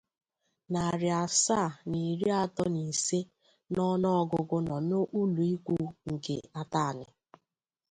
narị asaa na iri atọ na ise n'ọnụọgụgụ nọ n'ụlọikwuu nke Atanị